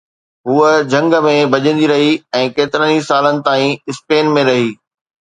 هوءَ جهنگ ۾ ڀڄندي رهي ۽ ڪيترن سالن تائين اسپين ۾ رهي